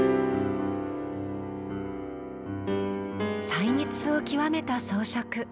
細密を極めた装飾。